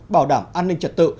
bảo đảm an ninh trật tự